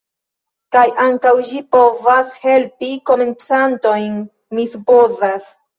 Kaj ankaŭ ĝi povas helpi komencantojn, mi supozas.